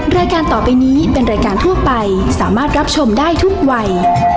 รายการต่อไปนี้เป็นรายการทั่วไปสามารถรับชมได้ทุกวัย